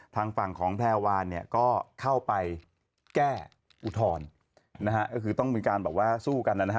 ทางฝั่งของแพรวานเนี่ยก็เข้าไปแก้อุทธรณ์นะฮะก็คือต้องมีการแบบว่าสู้กันนะฮะ